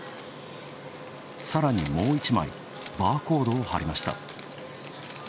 さらにもう一枚、バーコードを貼りました。